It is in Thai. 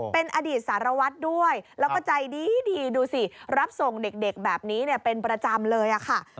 เป็นอดีตสารวัตรด้วยแล้วก็ใจดีดูสิรับส่งเด็กแบบนี้เป็นประจำเลยค่ะ